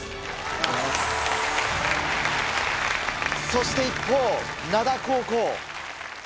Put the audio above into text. そして一方灘高校。